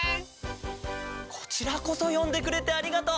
こちらこそよんでくれてありがとう。